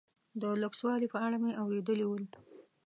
د لوکسوالي په اړه مې اورېدلي ول.